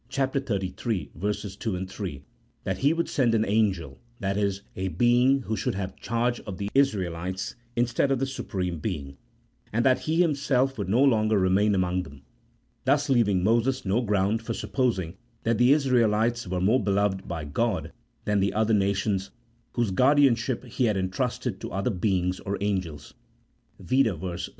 xxxiii. 2, 3), that He would send an angel (that is, a being who should have charge of the Israelites, instead of the Supreme Being), and that He Himself would no longer remain among them ; thus leaving Moses no ground for supposing that the Israelites were more beloved by God than the other nations whose guardianship He had entrusted to other beings or angels (vide verse 16).